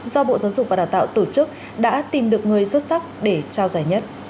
do bộ giáo dục và đào tạo tổ chức đã tìm được người xuất sắc để trao giải nhất